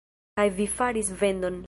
Kaj vi faris vendon.